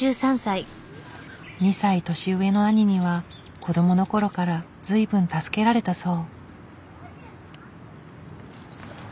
２歳年上の兄には子供の頃から随分助けられたそう。